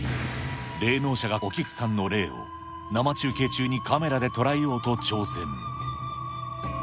霊能者がお菊さんの霊を生中継中にカメラで捉えようと挑戦。